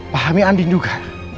pahami andin juga